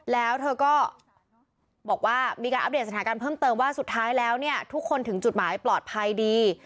แล้วเธอก็บอกว่ามีการอัปเดตสถานการณ์เพิ่มเติมว่าสุดท้ายแล้วเนี่ยทุกคนถึงจุดหมายปลอดภัยดี